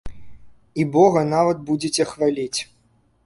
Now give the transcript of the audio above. І бога нават будзеце хваліць.